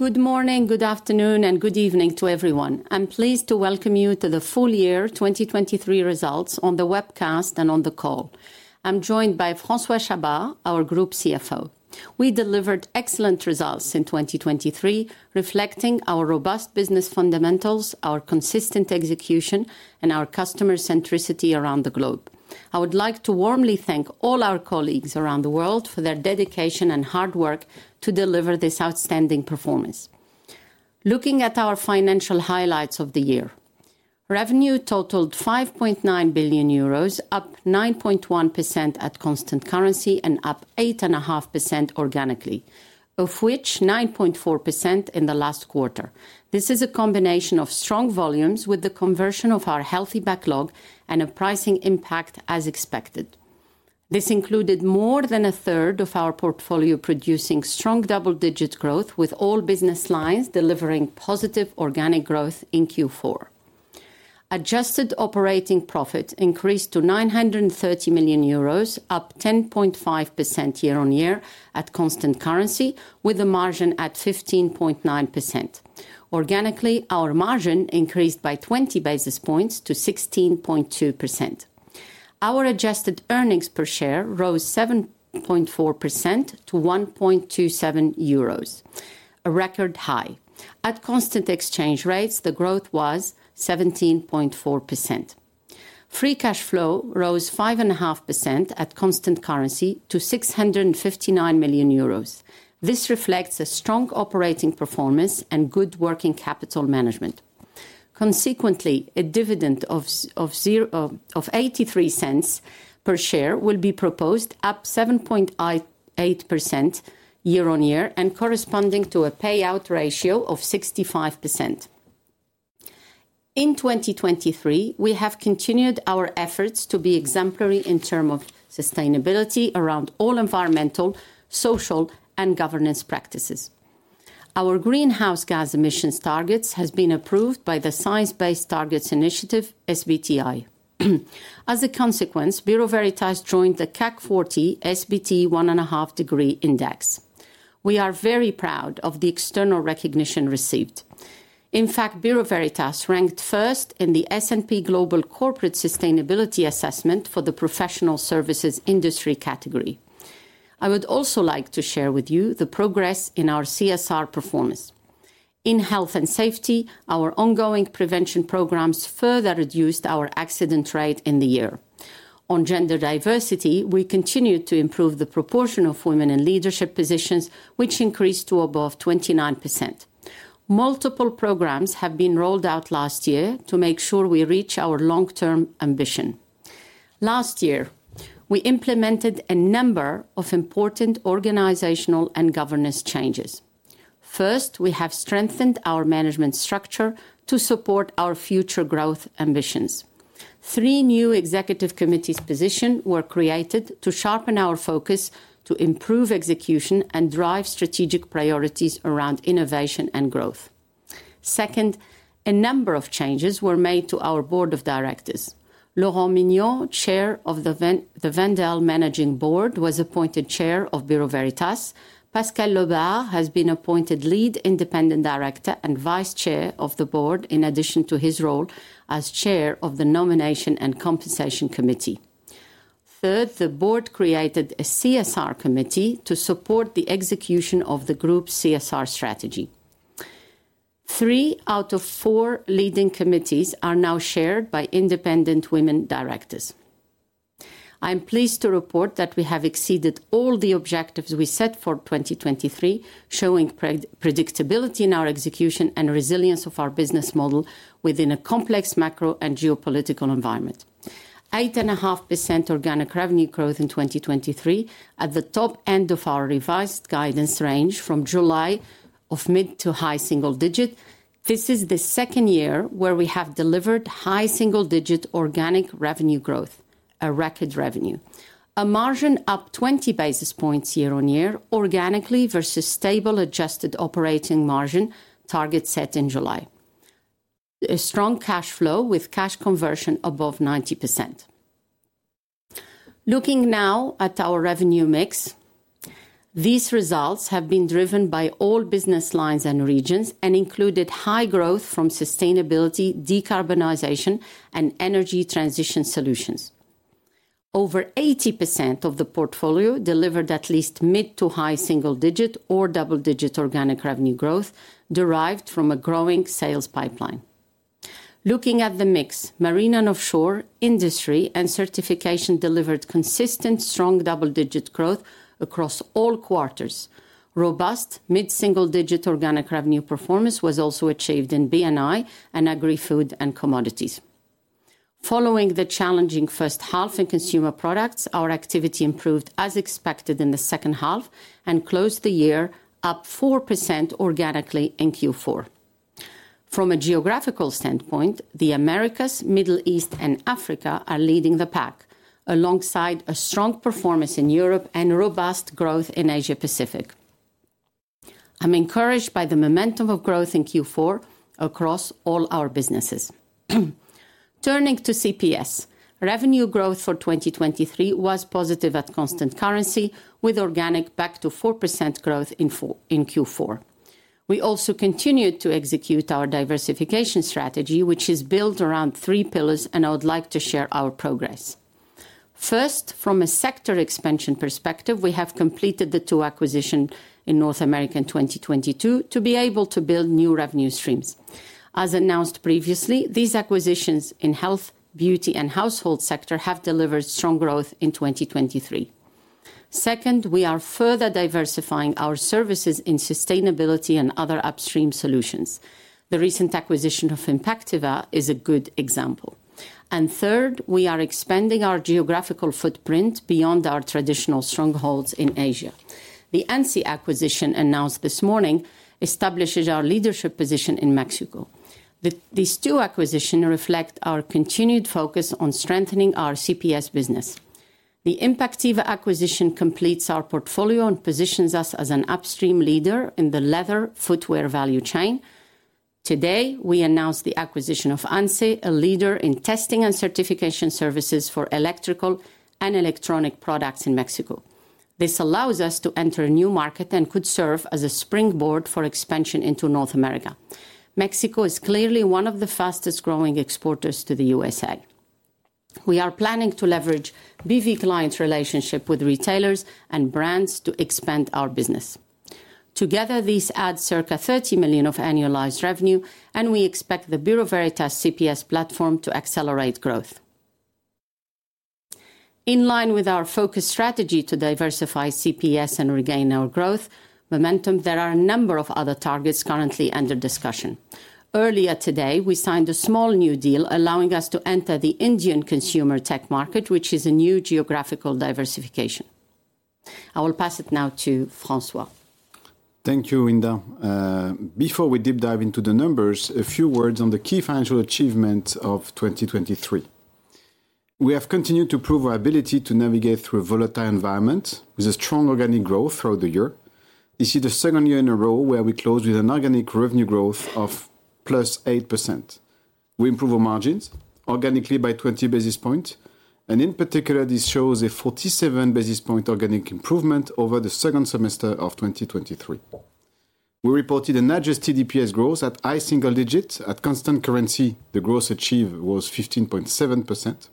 Good morning, good afternoon, and good evening to everyone. I'm pleased to welcome you to the full-year 2023 results on the webcast and on the call. I'm joined by François Chabas, our Group CFO. We delivered excellent results in 2023, reflecting our robust business fundamentals, our consistent execution, and our customer-centricity around the globe. I would like to warmly thank all our colleagues around the world for their dedication and hard work to deliver this outstanding performance. Looking at our financial highlights of the year: revenue totaled 5.9 billion euros, up 9.1% at constant currency and up 8.5% organically, of which 9.4% in the last quarter. This is a combination of strong volumes with the conversion of our healthy backlog and a pricing impact as expected. This included more than a third of our portfolio producing strong double-digit growth, with all business lines delivering positive organic growth in Q4. Adjusted operating profit increased to 930 million euros, up 10.5% year-on-year at constant currency, with a margin at 15.9%. Organically, our margin increased by 20 basis points to 16.2%. Our adjusted earnings per share rose 7.4% to 1.27 euros, a record high. At constant exchange rates, the growth was 17.4%. Free cash flow rose 5.5% at constant currency to 659 million euros. This reflects a strong operating performance and good working capital management. Consequently, a dividend of 0.83 per share will be proposed, up 7.8% year-on-year and corresponding to a payout ratio of 65%. In 2023, we have continued our efforts to be exemplary in terms of sustainability around all environmental, social, and governance practices. Our greenhouse gas emissions targets have been approved by the Science Based Targets Initiative, SBTi. As a consequence, Bureau Veritas joined the CAC 40 SBT 1.5° Index. We are very proud of the external recognition received. In fact, Bureau Veritas ranked first in the S&P Global Corporate Sustainability Assessment for the Professional Services Industry category. I would also like to share with you the progress in our CSR performance. In health and safety, our ongoing prevention programs further reduced our accident rate in the year. On gender diversity, we continued to improve the proportion of women in leadership positions, which increased to above 29%. Multiple programs have been rolled out last year to make sure we reach our long-term ambition. Last year, we implemented a number of important organizational and governance changes. First, we have strengthened our management structure to support our future growth ambitions. Three new executive committees' positions were created to sharpen our focus to improve execution and drive strategic priorities around innovation and growth. Second, a number of changes were made to our Board of Directors. Laurent Mignon, Chair of the Wendel Managing Board, was appointed Chair of Bureau Veritas. Pascal Lebard has been appointed lead independent director and Vice Chair of the board, in addition to his role as Chair of the Nomination and Compensation Committee. Third, the board created a CSR committee to support the execution of the group's CSR strategy. Three out of four leading committees are now chaired by independent women directors. I'm pleased to report that we have exceeded all the objectives we set for 2023, showing predictability in our execution and resilience of our business model within a complex macro and geopolitical environment. 8.5% organic revenue growth in 2023, at the top end of our revised guidance range from July of mid- to high-single-digit. This is the second year where we have delivered high single-digit organic revenue growth, a record revenue, a margin up 20 basis points year-on-year organically versus stable adjusted operating margin target set in July, a strong cash flow with cash conversion above 90%. Looking now at our revenue mix, these results have been driven by all business lines and regions and included high growth from sustainability, decarbonization, and energy transition solutions. Over 80% of the portfolio delivered at least mid- to high-single-digit or double-digit organic revenue growth derived from a growing sales pipeline. Looking at Marine and Offshore, Industry, and Certification delivered consistent, strong double-digit growth across all quarters. Robust mid-single-digit organic revenue performance was also achieved in B&I and Agri-Food and Commodities. Following the challenging first half Consumer Products, our activity improved as expected in the second half and closed the year up 4% organically in Q4. From a geographical standpoint, the Americas, Middle East, and Africa are leading the pack, alongside a strong performance in Europe and robust growth in Asia-Pacific. I'm encouraged by the momentum of growth in Q4 across all our businesses. Turning to CPS, revenue growth for 2023 was positive at constant currency, with organic back to 4% growth in Q4. We also continued to execute our diversification strategy, which is built around three pillars, and I would like to share our progress. First, from a sector expansion perspective, we have completed the two acquisitions in North America in 2022 to be able to build new revenue streams. As announced previously, these acquisitions in Health, Beauty, and Household sectors have delivered strong growth in 2023. Second, we are further diversifying our services in sustainability and other upstream solutions. The recent acquisition of Impactiva is a good example. And third, we are expanding our geographical footprint beyond our traditional strongholds in Asia. The ANCE acquisition announced this morning establishes our leadership position in Mexico. These two acquisitions reflect our continued focus on strengthening our CPS business. The Impactiva acquisition completes our portfolio and positions us as an upstream leader in the leather footwear value chain. Today, we announced the acquisition of ANCE, a leader in testing and Certification services for electrical and electronic products in Mexico. This allows us to enter a new market and could serve as a springboard for expansion into North America. Mexico is clearly one of the fastest-growing exporters to the USA. We are planning to leverage BV clients' relationships with retailers and brands to expand our business. Together, these add circa 30 million of annualized revenue, and we expect the Bureau Veritas CPS platform to accelerate growth. In line with our focus strategy to diversify CPS and regain our growth momentum, there are a number of other targets currently under discussion. Earlier today, we signed a small new deal allowing us to enter the Indian consumer tech market, which is a new geographical diversification. I will pass it now to François. Thank you, Hinda. Before we deep dive into the numbers, a few words on the key financial achievements of 2023. We have continued to prove our ability to navigate through a volatile environment with strong organic growth throughout the year. This is the second year in a row where we closed with an organic revenue growth of +8%. We improved our margins organically by 20 basis points, and in particular, this shows a 47 basis points organic improvement over the second semester of 2023. We reported an adjusted EPS growth at high single digit at constant currency. The growth achieved was 15.7%.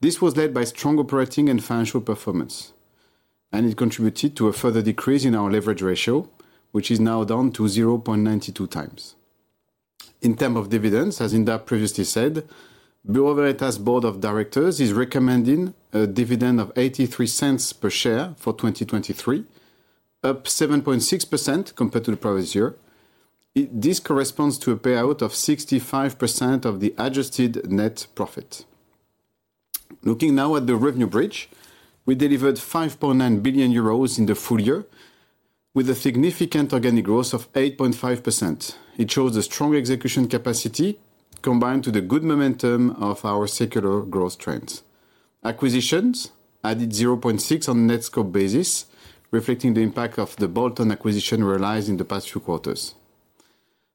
This was led by strong operating and financial performance, and it contributed to a further decrease in our leverage ratio, which is now down to 0.92 times. In terms of dividends, as Hinda previously said, Bureau Veritas' Board of Directors is recommending a dividend of 0.83 per share for 2023, up 7.6% compared to the previous year. This corresponds to a payout of 65% of the adjusted net profit. Looking now at the revenue bridge, we delivered 5.9 billion euros in the full-year with a significant organic growth of 8.5%. It shows a strong execution capacity combined with the good momentum of our secular growth trends. Acquisitions added 0.6 on a net scope basis, reflecting the impact of the bolt-on acquisition realized in the past few quarters.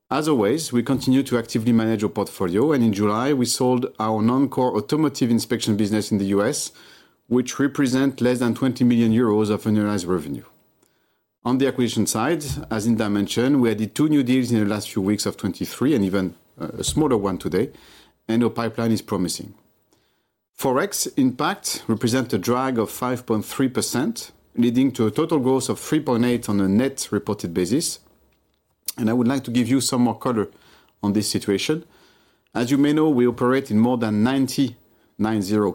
As always, we continue to actively manage our portfolio, and in July, we sold our non-core automotive inspection business in the U.S., which represents less than 20 million euros of annualized revenue. On the acquisition side, as Hinda mentioned, we added two new deals in the last few weeks of 2023 and even a smaller one today, and our pipeline is promising. Forex impact represents a drag of 5.3%, leading to a total growth of 3.8 on a net reported basis. And I would like to give you some more color on this situation. As you may know, we operate in more than 90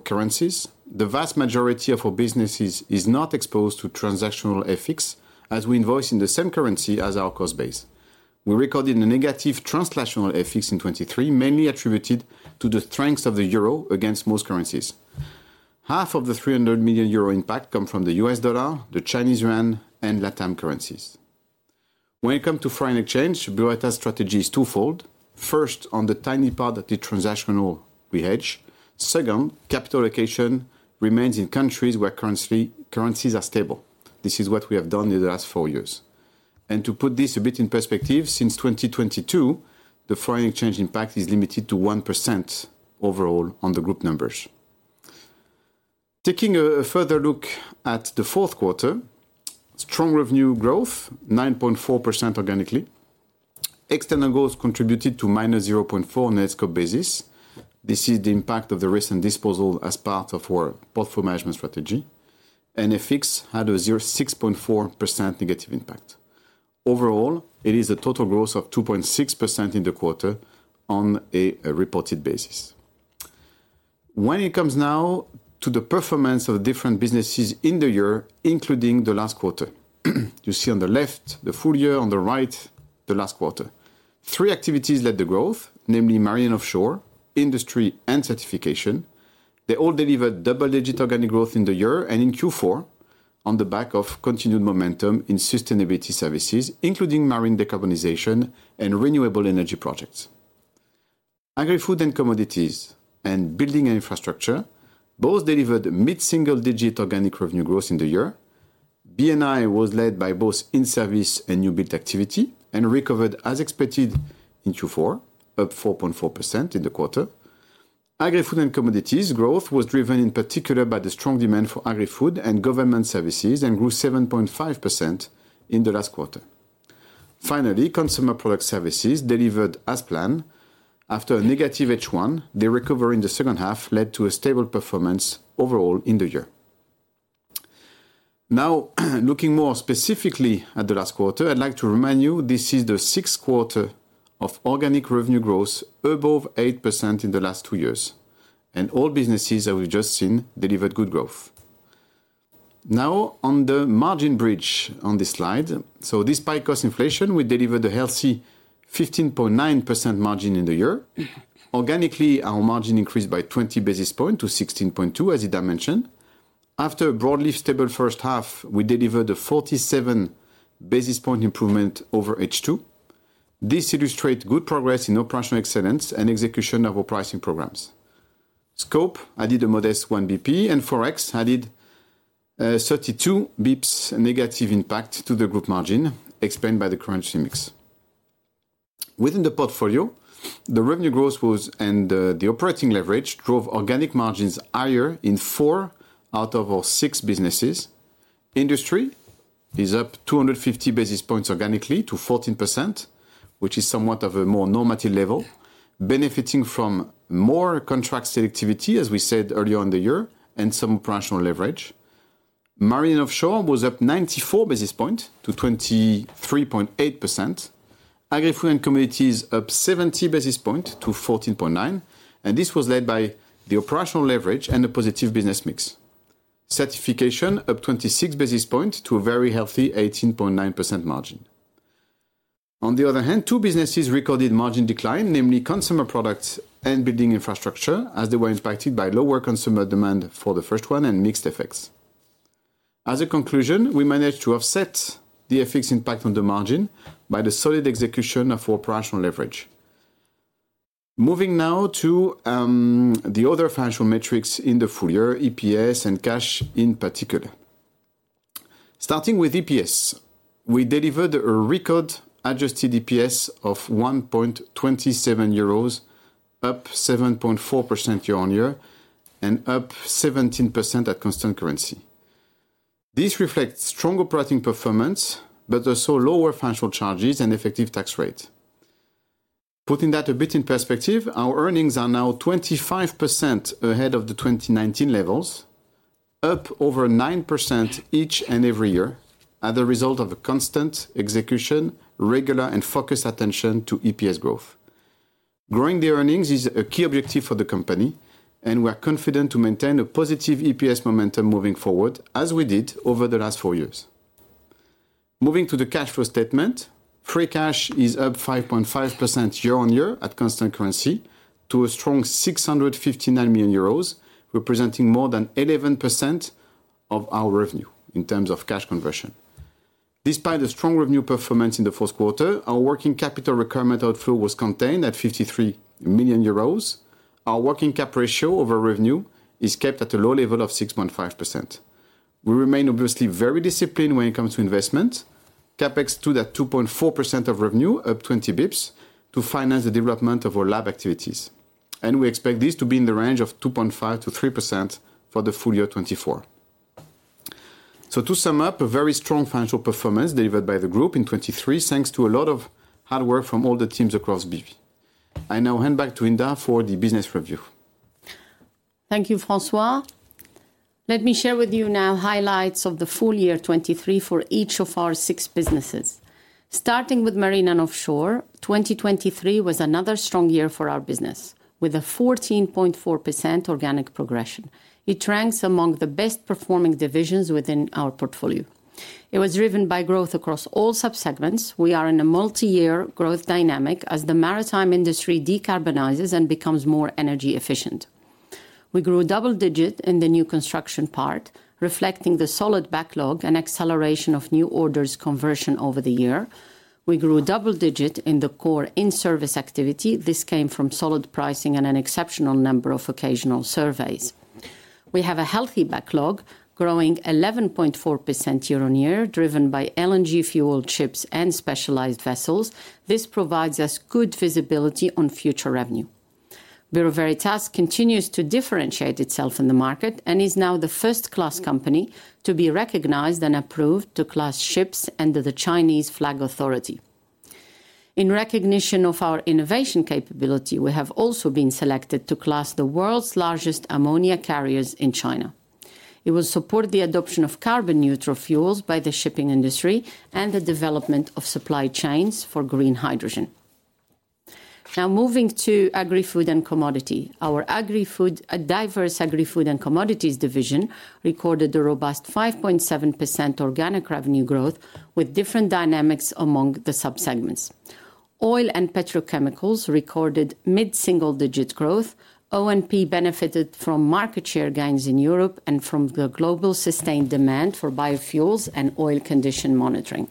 currencies. The vast majority of our businesses is not exposed to transactional FX, as we invoice in the same currency as our cost base. We recorded a negative translational FX in 2023, mainly attributed to the strength of the euro against most currencies. Half of the 300 million euro impact comes from the U.S. dollar, the Chinese yuan, and LatAm currencies. When it comes to foreign exchange, Bureau Veritas' strategy is twofold. First, on the tiny part of the transactional we hedge. Second, capital allocation remains in countries where currencies are stable. This is what we have done in the last four years. To put this a bit in perspective, since 2022, the foreign exchange impact is limited to 1% overall on the group numbers. Taking a further look at the fourth quarter, strong revenue growth, 9.4% organically. External growth contributed to -0.4 on a net scope basis. This is the impact of the risk and disposal as part of our portfolio management strategy. FX had a 6.4% negative impact. Overall, it is a total growth of 2.6% in the quarter on a reported basis. When it comes now to the performance of the different businesses in the year, including the last quarter, you see on the left the full-year, on the right the last quarter. Three activities led the Marine and Offshore, Industry, and Certification. They all delivered double-digit organic growth in the year and in Q4 on the back of continued momentum in sustainability services, including marine decarbonization and renewable energy projects. Agri-Food and Commodities and Buildings and Infrastructure both delivered mid-single-digit organic revenue growth in the year. B&I was led by both in-service and new-built activity and recovered, as expected, in Q4, up 4.4% in the quarter. Agri-Food and Commodities growth was driven in particular by the strong demand for Agri-Food and Government Services and grew 7.5% in the last quarter. Finally, Consumer Products Services delivered as planned. After a negative H1, the recovery in the second half led to a stable performance overall in the year. Now, looking more specifically at the last quarter, I'd like to remind you this is the sixth quarter of organic revenue growth above 8% in the last two years. All businesses that we've just seen delivered good growth. Now, on the margin bridge on this slide, so despite cost inflation, we delivered a healthy 15.9% margin in the year. Organically, our margin increased by 20 basis points to 16.2, as Hinda mentioned. After a broadly stable first half, we delivered a 47 basis point improvement over H2. This illustrates good progress in operational excellence and execution of our pricing programs. Scope added a modest 1 basis point, and forex added 32 basis points' negative impact to the group margin, explained by the current currency mix. Within the portfolio, the revenue growth and the operating leverage drove organic margins higher in four out of our six businesses. Industry is up 250 basis points organically to 14%, which is somewhat of a more normative level, benefiting from more contract selectivity, as we said earlier on the year, and some Marine and Offshore was up 94 basis points to 23.8%. Agri-Food and Commodities up 70 basis points to 14.9%, and this was led by the operational leverage and a positive business mix. Certification up 26 basis points to a very healthy 18.9% margin. On the other hand, two businesses recorded margin decline, Consumer Products and Buildings and Infrastructure, as they were impacted by lower consumer demand for the first one and mixed effects. As a conclusion, we managed to offset the FX impact on the margin by the solid execution of our operational leverage. Moving now to the other financial metrics in the full-year, EPS and cash in particular. Starting with EPS, we delivered a record adjusted EPS of EUR 1.27, up 7.4% year-on-year and up 17% at constant currency. This reflects strong operating performance but also lower financial charges and effective tax rate. Putting that a bit in perspective, our earnings are now 25% ahead of the 2019 levels, up over 9% each and every year as a result of constant execution, regular, and focused attention to EPS growth. Growing the earnings is a key objective for the company, and we are confident to maintain a positive EPS momentum moving forward, as we did over the last four years. Moving to the cash flow statement, free cash is up 5.5% year-on-year at constant currency to a strong 659 million euros, representing more than 11% of our revenue in terms of cash conversion. Despite the strong revenue performance in the fourth quarter, our working capital requirement outflow was contained at 53 million euros. Our working cap ratio over revenue is kept at a low level of 6.5%. We remain obviously very disciplined when it comes to investment. CapEx stood at 2.4% of revenue, up 20 basis points, to finance the development of our lab activities. And we expect this to be in the range of 2.5%-3% for the full-year 2024. So to sum up, a very strong financial performance delivered by the group in 2023 thanks to a lot of hard work from all the teams across BV. I now hand back to Hinda for the business review. Thank you, François. Let me share with you now highlights of the full-year 2023 for each of our six businesses. Marine and Offshore, 2023 was another strong year for our business with a 14.4% organic progression. It ranks among the best-performing divisions within our portfolio. It was driven by growth across all subsegments. We are in a multi-year growth dynamic as the maritime industry decarbonizes and becomes more energy efficient. We grew double-digit in the new construction part, reflecting the solid backlog and acceleration of new orders conversion over the year. We grew double-digit in the core in-service activity. This came from solid pricing and an exceptional number of occasional surveys. We have a healthy backlog, growing 11.4% year-on-year, driven by LNG-fueled ships and specialized vessels. This provides us good visibility on future revenue. Bureau Veritas continues to differentiate itself in the market and is now the first-class company to be recognized and approved to class ships under the Chinese flag authority. In recognition of our innovation capability, we have also been selected to class the world's largest ammonia carriers in China. It will support the adoption of carbon-neutral fuels by the shipping industry and the development of supply chains for green hydrogen. Now moving to Agri-Food and Commodities. Our diverse Agri-Food and Commodities division recorded a robust 5.7% organic revenue growth with different dynamics among the subsegments. Oil and Petrochemicals recorded mid-single-digit growth. O&P benefited from market share gains in Europe and from the global sustained demand for biofuels and oil condition monitoring.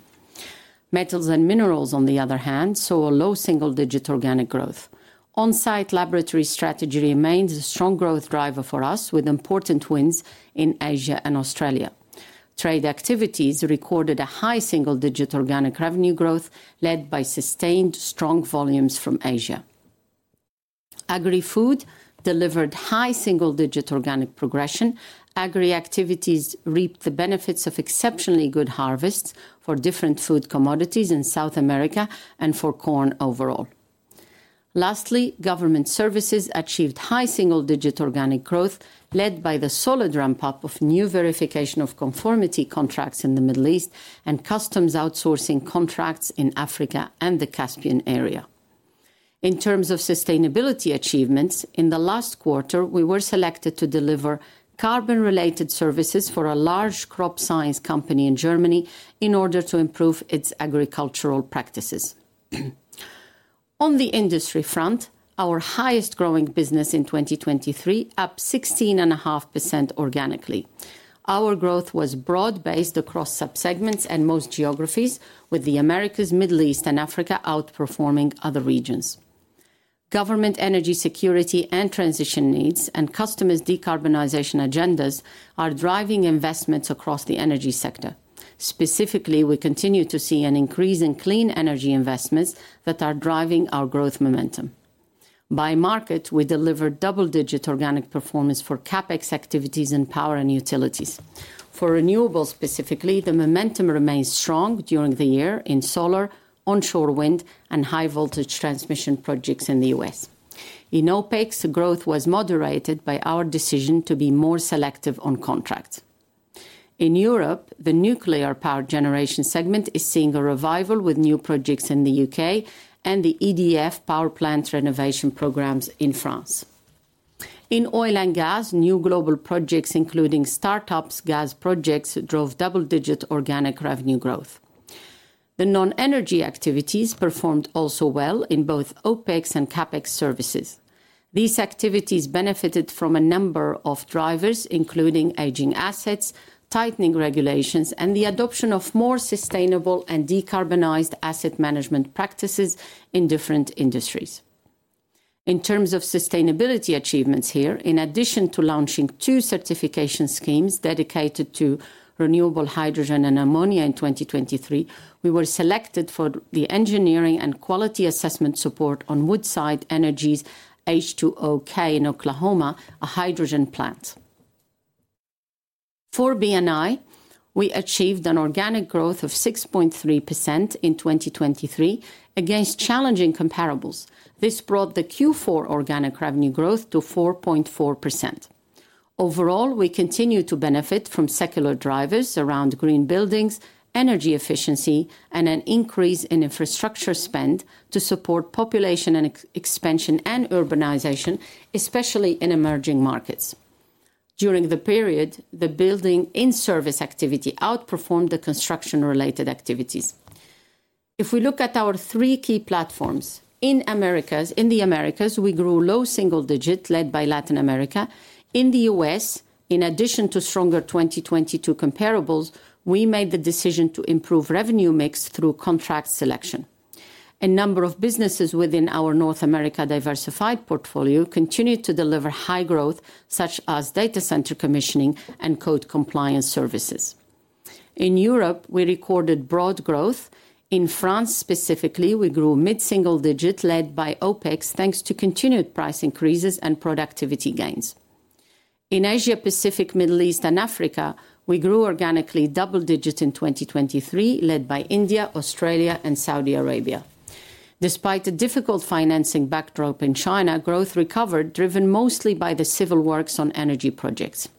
Metals and Minerals, on the other hand, saw a low single-digit organic growth. On-site laboratory strategy remains a strong growth driver for us with important wins in Asia and Australia. Trade activities recorded a high single-digit organic revenue growth led by sustained, strong volumes from Asia. Agri-Food delivered high single-digit organic progression. Agri-activities reaped the benefits of exceptionally good harvests for different food commodities in South America and for corn overall. Lastly, Government Services achieved high single-digit organic growth led by the solid ramp-up of new verification of conformity contracts in the Middle East and customs outsourcing contracts in Africa and the Caspian Area. In terms of sustainability achievements, in the last quarter, we were selected to deliver carbon-related services for a large crop science company in Germany in order to improve its agricultural practices. On the Industry front, our highest-growing business in 2023, up 16.5% organically. Our growth was broad-based across subsegments and most geographies, with the Americas, Middle East, and Africa outperforming other regions. Government energy security and transition needs and customers' decarbonization agendas are driving investments across the energy sector. Specifically, we continue to see an increase in clean energy investments that are driving our growth momentum. By market, we delivered double-digit organic performance for CapEx activities in Power and Utilities. For Renewables, specifically, the momentum remains strong during the year in solar, onshore wind, and high-voltage transmission projects in the U.S. In OpEx, growth was moderated by our decision to be more selective on contracts. In Europe, the nuclear power generation segment is seeing a revival with new projects in the U.K. and the EDF power plant renovation programs in France. In Oil and Gas, new global projects, including startups' gas projects, drove double-digit organic revenue growth. The non-energy activities performed also well in both OpEx and CapEx services. These activities benefited from a number of drivers, including aging assets, tightening regulations, and the adoption of more sustainable and decarbonized asset management practices in different industries. In terms of sustainability achievements here, in addition to launching two Certification schemes dedicated to renewable hydrogen and ammonia in 2023, we were selected for the engineering and quality assessment support on Woodside Energy's H2OK in Oklahoma, a hydrogen plant. For B&I, we achieved an organic growth of 6.3% in 2023 against challenging comparables. This brought the Q4 organic revenue growth to 4.4%. Overall, we continue to benefit from secular drivers around green buildings, energy efficiency, and an increase in infrastructure spend to support population expansion and urbanization, especially in emerging markets. During the period, the building in-service activity outperformed the construction-related activities. If we look at our three key platforms in the Americas, we grew low single-digit, led by Latin America. In the U.S., in addition to stronger 2022 comparables, we made the decision to improve revenue mix through contract selection. A number of businesses within our North America diversified portfolio continue to deliver high growth, such as data center commissioning and code compliance services. In Europe, we recorded broad growth. In France, specifically, we grew mid-single-digit, led by OpEx, thanks to continued price increases and productivity gains. In Asia-Pacific, Middle East, and Africa, we grew organically double-digit in 2023, led by India, Australia, and Saudi Arabia. Despite a difficult financing backdrop in China, growth recovered, driven mostly by the civil works on energy projects.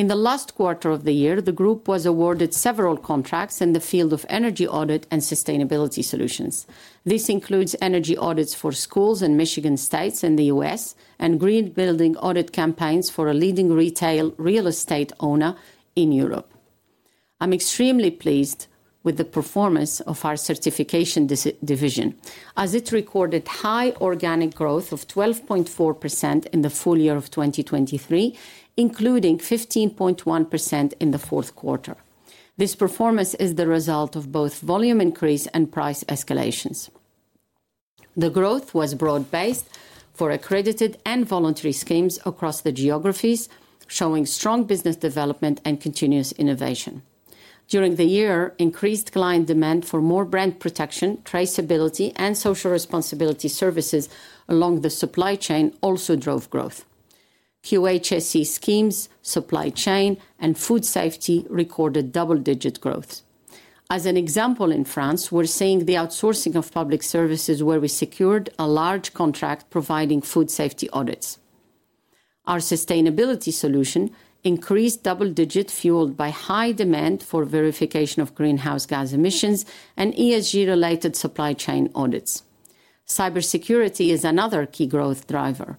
In the last quarter of the year, the group was awarded several contracts in the field of energy audit and sustainability solutions. This includes energy audits for schools in Michigan State and the U.S. and green building audit campaigns for a leading retail real estate owner in Europe. I'm extremely pleased with the performance of our Certification division as it recorded high organic growth of 12.4% in the full-year of 2023, including 15.1% in the fourth quarter. This performance is the result of both volume increase and price escalations. The growth was broad-based for accredited and voluntary schemes across the geographies, showing strong business development and continuous innovation. During the year, increased client demand for more brand protection, traceability, and social responsibility services along the supply chain also drove growth. QHSE schemes, supply chain, and food safety recorded double-digit growth. As an example, in France, we're seeing the outsourcing of public services where we secured a large contract providing food safety audits. Our sustainability solution increased double-digit fueled by high demand for verification of greenhouse gas emissions and ESG-related supply chain audits. Cybersecurity is another key growth driver.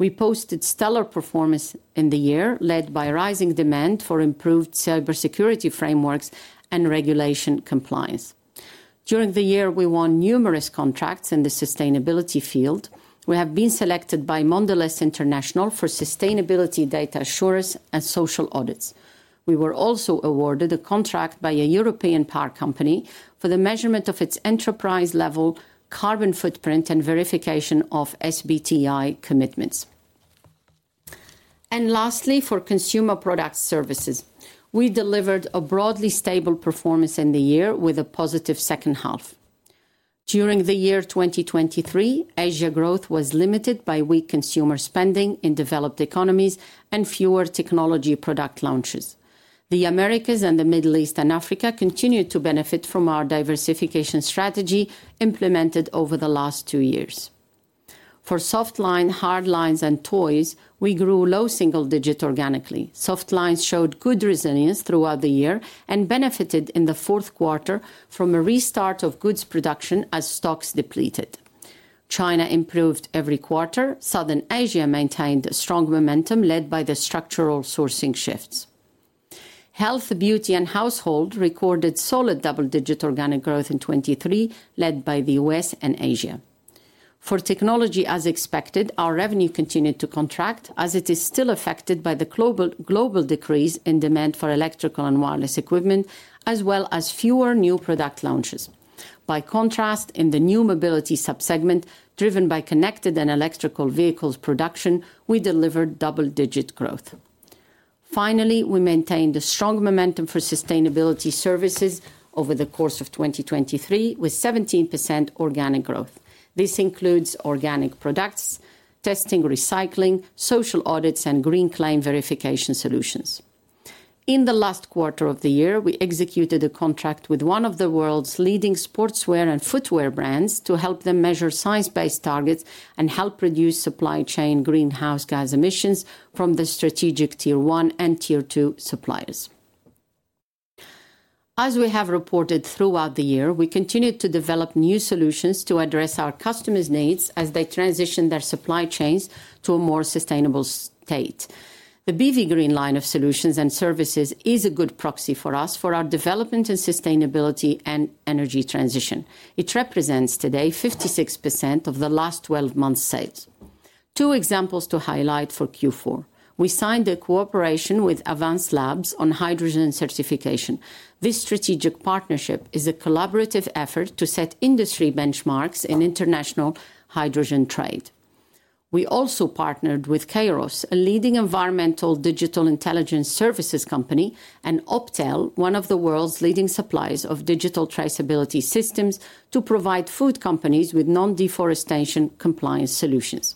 We posted stellar performance in the year, led by rising demand for improved cybersecurity frameworks and regulation compliance. During the year, we won numerous contracts in the sustainability field. We have been selected by Mondelēz International for sustainability data assurance and social audits. We were also awarded a contract by a European power company for the measurement of its enterprise-level carbon footprint and verification of SBTi commitments. And lastly, for Consumer Products Services, we delivered a broadly stable performance in the year with a positive second half. During the year 2023, Asia growth was limited by weak consumer spending in developed economies and fewer technology product launches. The Americas and the Middle East and Africa continue to benefit from our diversification strategy implemented over the last two years. For Softlines, Hardlines, and Toys, we grew low single-digit organically. Softlines showed good resilience throughout the year and benefited in the fourth quarter from a restart of goods production as stocks depleted. China improved every quarter. Southern Asia maintained strong momentum led by the structural sourcing shifts. Health, Beauty, and Household recorded solid double-digit organic growth in 2023, led by the U.S. and Asia. For technology, as expected, our revenue continued to contract as it is still affected by the global decrease in demand for electrical and wireless equipment, as well as fewer new product launches. By contrast, in the New Mobility subsegment, driven by connected and electrical vehicles production, we delivered double-digit growth. Finally, we maintained a strong momentum for sustainability services over the course of 2023 with 17% organic growth. This includes organic products, testing, recycling, social audits, and green claim verification solutions. In the last quarter of the year, we executed a contract with one of the world's leading sportswear and footwear brands to help them measure science-based targets and help reduce supply chain greenhouse gas emissions from the strategic Tier 1 and Tier 2 suppliers. As we have reported throughout the year, we continue to develop new solutions to address our customers' needs as they transition their supply chains to a more sustainable state. The BV Green Line of solutions and services is a good proxy for us for our development in sustainability and energy transition. It represents today 56% of the last 12 months' sales. Two examples to highlight for Q4: We signed a cooperation with Avance Labs on hydrogen certification. This strategic partnership is a collaborative effort to set industry benchmarks in international hydrogen trade. We also partnered with Kayrros, a leading environmental digital intelligence services company, and Optel, one of the world's leading suppliers of digital traceability systems to provide food companies with non-deforestation compliance solutions.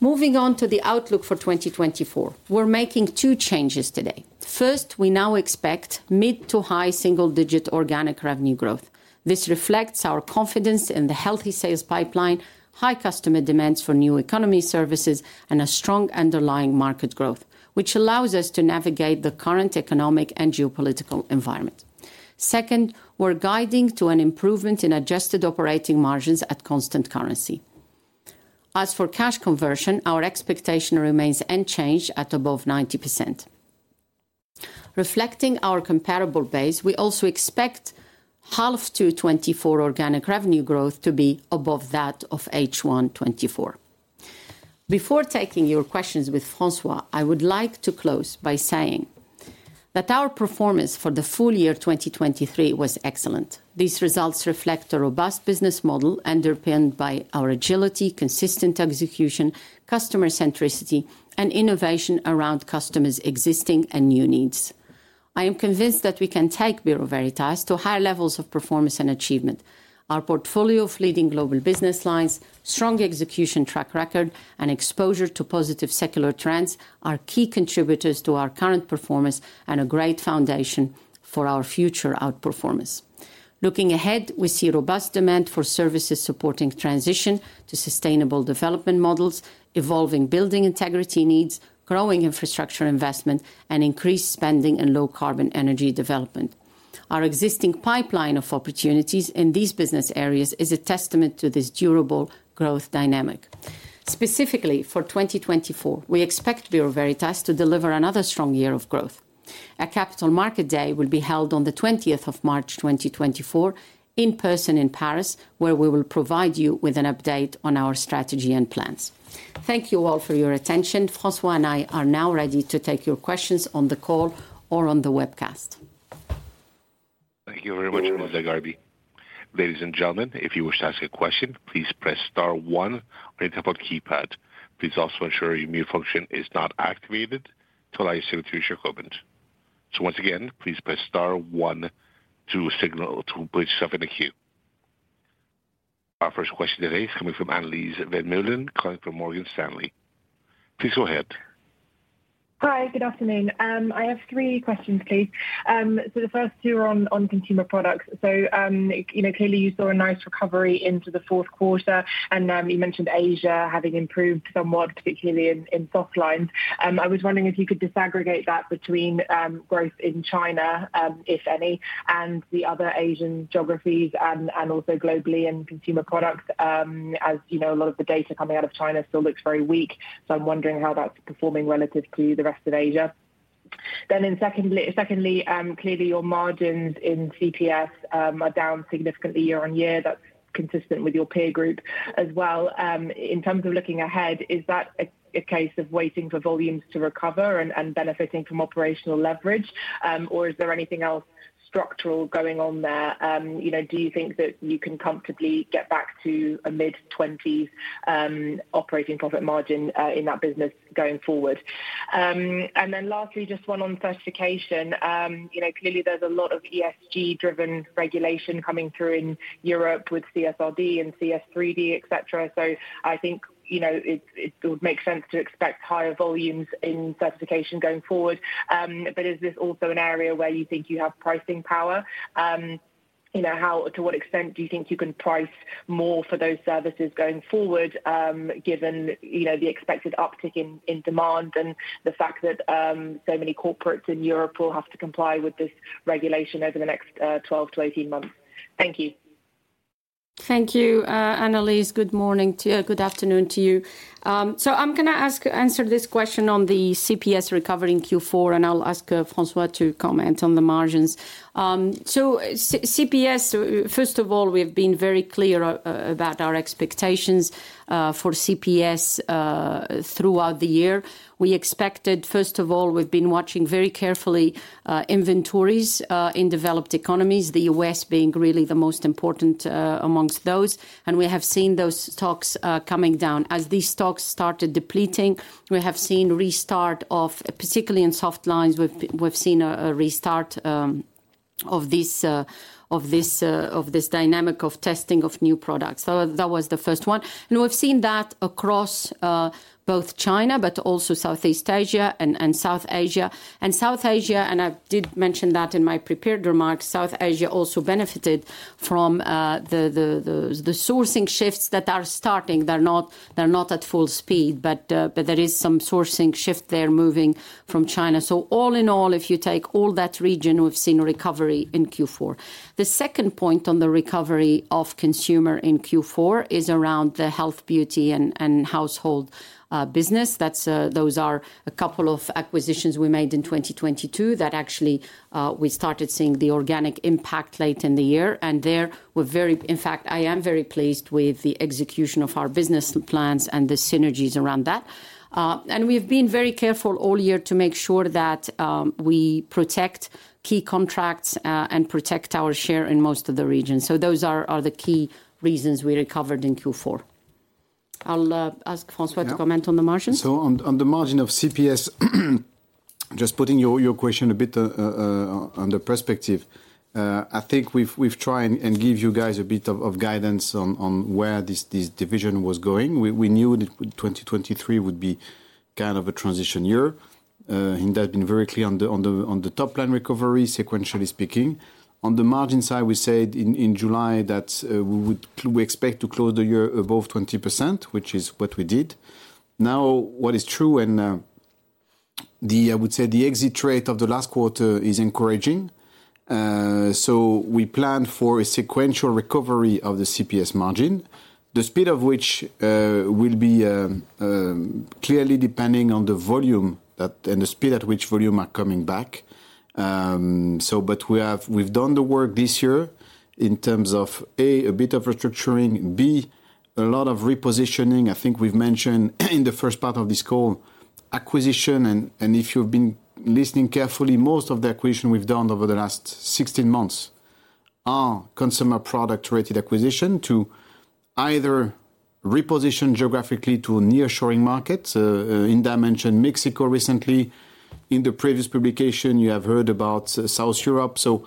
Moving on to the outlook for 2024, we're making two changes today. First, we now expect mid to high single-digit organic revenue growth. This reflects our confidence in the healthy sales pipeline, high customer demands for new economy services, and a strong underlying market growth, which allows us to navigate the current economic and geopolitical environment. Second, we're guiding to an improvement in adjusted operating margins at constant currency. As for cash conversion, our expectation remains unchanged at above 90%. Reflecting our comparable base, we also expect H2 2024 organic revenue growth to be above that of H1 2024. Before taking your questions with François, I would like to close by saying that our performance for the full-year 2023 was excellent. These results reflect a robust business model underpinned by our agility, consistent execution, customer centricity, and innovation around customers' existing and new needs. I am convinced that we can take Bureau Veritas to higher levels of performance and achievement. Our portfolio of leading global business lines, strong execution track record, and exposure to positive secular trends are key contributors to our current performance and a great foundation for our future outperformance. Looking ahead, we see robust demand for services supporting transition to sustainable development models, evolving building integrity needs, growing infrastructure investment, and increased spending in low-carbon energy development. Our existing pipeline of opportunities in these business areas is a testament to this durable growth dynamic. Specifically for 2024, we expect Bureau Veritas to deliver another strong year of growth. A Capital Markets Day will be held on the 20th of March, 2024, in person in Paris, where we will provide you with an update on our strategy and plans. Thank you all for your attention. François and I are now ready to take your questions on the call or on the webcast. Thank you very much, Hinda Gharbi. Ladies and gentlemen, if you wish to ask a question, please press star one on your telephone keypad. Please also ensure your mute function is not activated to allow your question to be recorded. So once again, please press star one to signal to put yourself in a queue. Our first question today is coming from Annelies Vermeulen, calling from Morgan Stanley. Please go ahead. Hi, good afternoon. I have three questions, please. So the first two are on, Consumer Products. so, you know, clearly you saw a nice recovery into the fourth quarter, and, you mentioned Asia having improved somewhat, particularly in, in Softlines. I was wondering if you could disaggregate that between, growth in China, if any, and the other Asian geographies and, and also globally Consumer Products, as, you know, a lot of the data coming out of China still looks very weak. So I'm wondering how that's performing relative to the rest of Asia. Then, secondly, clearly your margins in CPS, are down significantly year-on-year. That's consistent with your peer group as well. In terms of looking ahead, is that a case of waiting for volumes to recover and benefiting from operational leverage, or is there anything else structural going on there? You know, do you think that you can comfortably get back to a mid-20s operating profit margin in that business going forward? And then lastly, just one on Certification. You know, clearly there's a lot of ESG-driven regulation coming through in Europe with CSRD and CSDDD, etc. So I think, you know, it would make sense to expect higher volumes in Certification going forward. But is this also an area where you think you have pricing power? You know, how to what extent do you think you can price more for those services going forward, given, you know, the expected uptick in, in demand and the fact that, so many corporates in Europe will have to comply with this regulation over the next, 12-18 months? Thank you. Thank you, Annelies. Good morning to you, good afternoon to you. So I'm going to ask answer this question on the CPS recovering Q4, and I'll ask, François to comment on the margins. So CPS, first of all, we have been very clear about our expectations, for CPS, throughout the year. We expected, first of all, we've been watching very carefully, inventories, in developed economies, the U.S. being really the most important, among those. And we have seen those stocks, coming down. As these stocks started depleting, we have seen restart of particularly in Softlines. We've seen a restart of this dynamic of testing of new products. That was the first one. We've seen that across both China but also Southeast Asia and South Asia. South Asia, and I did mention that in my prepared remarks, South Asia also benefited from the sourcing shifts that are starting. They're not at full speed, but there is some sourcing shift there moving from China. So all in all, if you take all that region, we've seen a recovery in Q4. The second point on the recovery of consumer in Q4 is around the Health, Beauty, and Household business. That's those are a couple of acquisitions we made in 2022 that actually we started seeing the organic impact late in the year. There, we're very, in fact, I am very pleased with the execution of our business plans and the synergies around that. And we've been very careful all year to make sure that we protect key contracts and protect our share in most of the region. So those are the key reasons we recovered in Q4. I'll ask François to comment on the margins. So on the margin of CPS, just putting your question a bit under perspective, I think we've tried and give you guys a bit of guidance on where this division was going. We knew that 2023 would be kind of a transition year. Hinda has been very clear on the top line recovery, sequentially speaking. On the margin side, we said in July that we expect to close the year above 20%, which is what we did. Now, what is true, I would say, the exit rate of the last quarter is encouraging. We plan for a sequential recovery of the CPS margin, the speed of which will be clearly depending on the volume and the speed at which volume are coming back. But we have done the work this year in terms of, A, a bit of restructuring, B, a lot of repositioning. I think we've mentioned in the first part of this call acquisition and if you've been listening carefully, most of the acquisition we've done over the last 16 months are Consumer Products-related acquisition to either reposition geographically to nearshoring markets, I mentioned Mexico recently. In the previous publication, you have heard about South Europe. So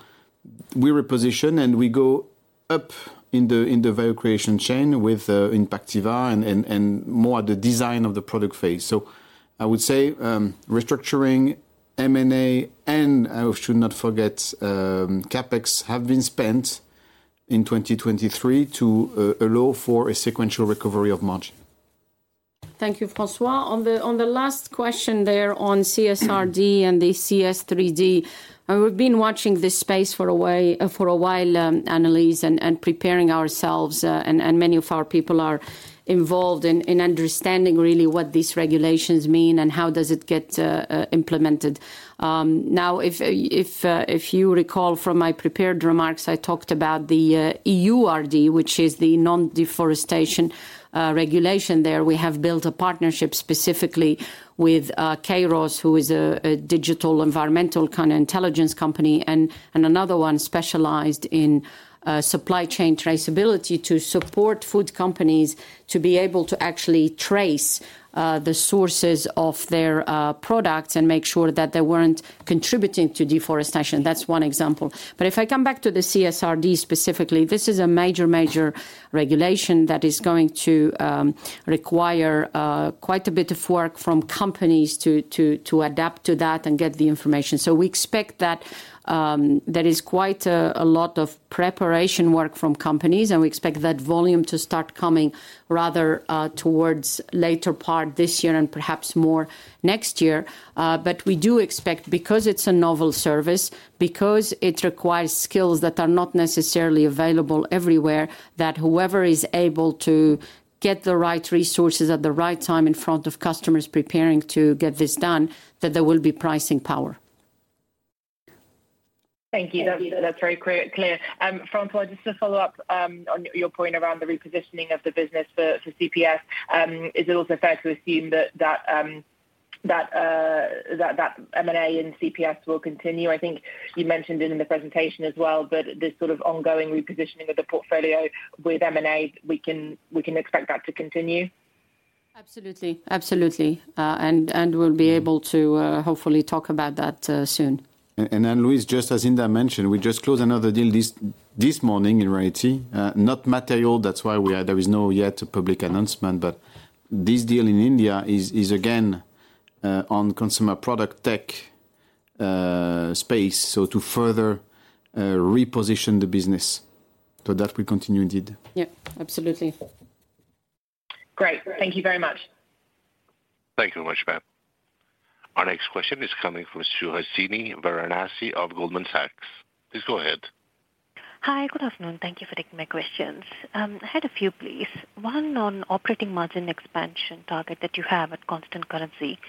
we reposition and we go up in the value creation chain with Impactiva and more at the design of the product phase. So I would say, restructuring, M&A, and I should not forget, CapEx have been spent in 2023 to allow for a sequential recovery of margin. Thank you, François. On the last question there on CSRD and the CSDDD, we've been watching this space for a while, Annelies, and preparing ourselves. And many of our people are involved in understanding really what these regulations mean and how it gets implemented. Now, if you recall from my prepared remarks, I talked about the EUDR, which is the non-deforestation regulation there. We have built a partnership specifically with Kayrros, who is a digital environmental kind of intelligence company, and another one specialized in supply chain traceability to support food companies to be able to actually trace the sources of their products and make sure that they weren't contributing to deforestation. That's one example. But if I come back to the CSRD specifically, this is a major, major regulation that is going to require quite a bit of work from companies to adapt to that and get the information. So we expect that there is quite a lot of preparation work from companies, and we expect that volume to start coming rather towards later part this year and perhaps more next year. But we do expect, because it's a novel service, because it requires skills that are not necessarily available everywhere, that whoever is able to get the right resources at the right time in front of customers preparing to get this done, that there will be pricing power. Thank you. That's very clear. François, just to follow up, on your point around the repositioning of the business for CPS, is it also fair to assume that M&A in CPS will continue? I think you mentioned it in the presentation as well, but this sort of ongoing repositioning of the portfolio with M&A, we can expect that to continue? Absolutely. Absolutely, and we'll be able to hopefully talk about that soon. And Annelies, just as Hinda mentioned, we just closed another deal this morning in India. Not material. That's why we are there. There is not yet public announcement. But this deal in India is again on Consumer Products tech space, so to further reposition the business. So that will continue indeed. Yeah. Absolutely. Great. Thank you very much. Thank you very much, ma'am. Our next question is coming from Suhasini Varanasi of Goldman Sachs. Please go ahead. Hi, good afternoon. Thank you for taking my questions. I had a few, please. One on operating margin expansion target that you have at constant currency.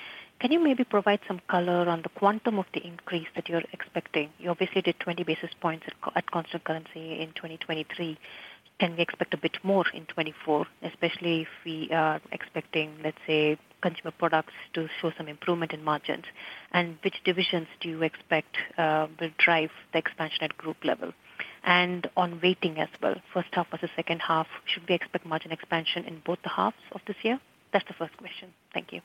Can you maybe provide some color on the quantum of the increase that you're expecting? You obviously did 20 basis points at constant currency in 2023. Can we expect a bit more in 2024, especially if we are expecting, let's Consumer Products to show some improvement in margins? And which divisions do you expect will drive the expansion at group level? And on waiting as well, first half versus second half, should we expect margin expansion in both the halves of this year? That's the first question. Thank you.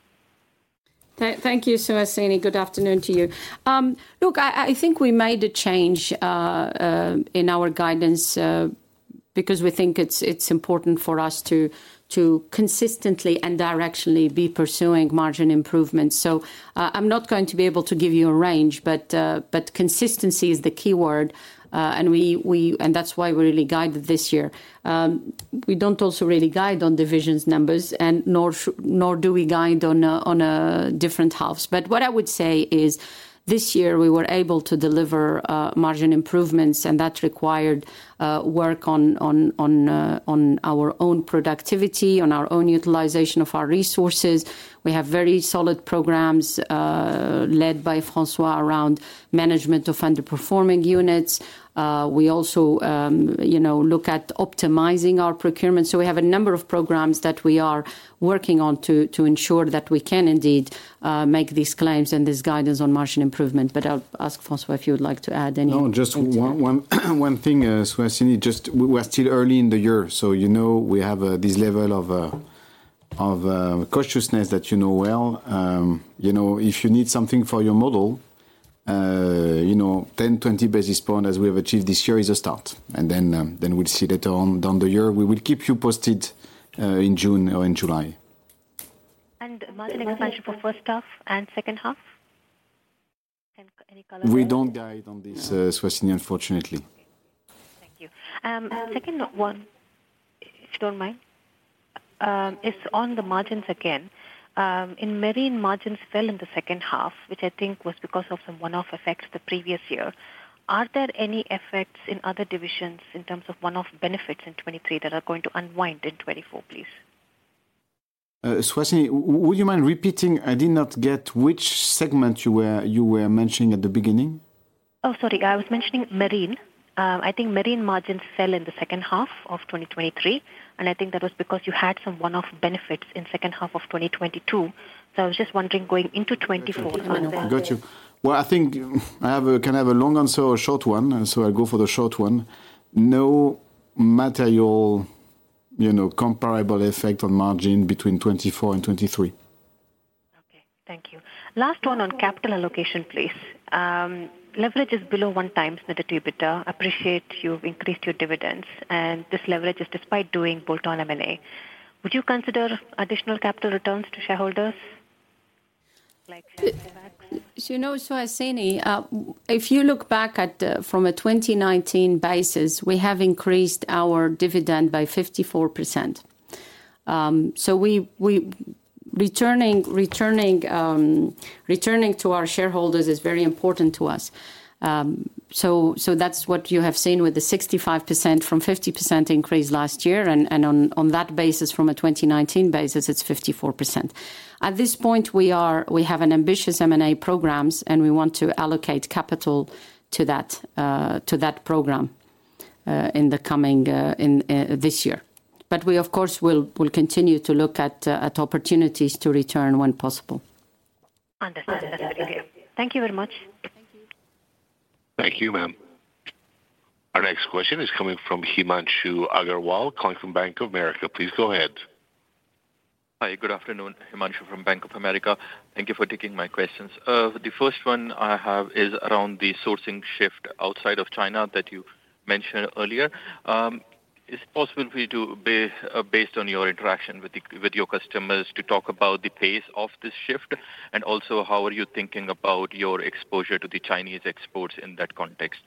Thank you, Suhasini. Good afternoon to you. Look, I, I think we made a change, in our guidance, because we think it's, it's important for us to, to consistently and directionally be pursuing margin improvements. So, I'm not going to be able to give you a range, but, but consistency is the key word. And we, we and that's why we really guided this year. We don't also really guide on divisions numbers, and nor should nor do we guide on, on, different halves. But what I would say is this year we were able to deliver, margin improvements, and that required, work on, on, on, on our own productivity, on our own utilization of our resources. We have very solid programs, led by François around management of underperforming units. We also, you know, look at optimizing our procurement. So we have a number of programs that we are working on to, to ensure that we can indeed, make these claims and this guidance on margin improvement. But I'll ask François if you would like to add any. No, just one, one, one thing, Suhasini. Just we're still early in the year, so, you know, we have, this level of, of, cautiousness that you know well. You know, if you need something for your model, you know, 10, 20 basis points as we have achieved this year is a start. And then, then we'll see later on down the year. We will keep you posted, in June or in July. And margin expansion for first half and second half? Any, any color? We don't guide on this, Suhasini, unfortunately. Thank you. Second one, if you don't mind, it's on the margins again. In margins, margins fell in the second half, which I think was because of some one-off effects the previous year. Are there any effects in other divisions in terms of one-off benefits in 2023 that are going to unwind in 2024, please? Suhasini, would you mind repeating? I did not get which segment you were mentioning at the beginning. Oh, sorry. I was mentioning margins. I think margins fell in the second half of 2023, and I think that was because you had some one-off benefits in second half of 2022. So I was just wondering going into 2024. Got you. Well, I think I have a kind of a long answer or a short one, so I'll go for the short one. No material, you know, comparable effect on margin between 2024 and 2023. Okay. Thank you. Last one on capital allocation, please. Leverage is below one times, net EBITDA. Appreciate you've increased your dividends, and this leverage is despite doing bolt-on M&A. Would you consider additional capital returns to shareholders, like share buybacks? So, you know, Suhasini, if you look back at, from a 2019 basis, we have increased our dividend by 54%. So we returning to our shareholders is very important to us. So that's what you have seen with the 65% from 50% increase last year. And on that basis, from a 2019 basis, it's 54%. At this point, we have ambitious M&A programs, and we want to allocate capital to that program in this year. But we, of course, will continue to look at opportunities to return when possible. Understood. Understood. Thank you. Thank you very much. Thank you. Thank you, ma'am. Our next question is coming from Himanshu Agarwal calling from Bank of America. Please go ahead. Hi. Good afternoon, Himanshu from Bank of America. Thank you for taking my questions. The first one I have is around the sourcing shift outside of China that you mentioned earlier. Is it possible for you to, based on your interaction with your customers, talk about the pace of this shift and also how are you thinking about your exposure to the Chinese exports in that context?